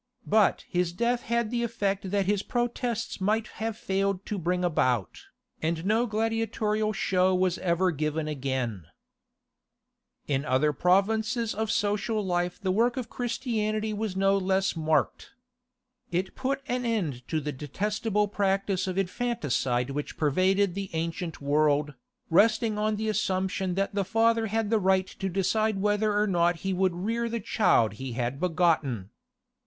But his death had the effect that his protests might have failed to bring about, and no gladiatorial show was ever given again. General View Of St. Sophia. (From "L'Art Byzantin." Par C. Bayet. Paris, Quantin, 1883.) In other provinces of social life the work of Christianity was no less marked. It put an end to the detestable practice of infanticide which pervaded the ancient world, resting on the assumption that the father had the right to decide whether or not he would rear the child he had begotten.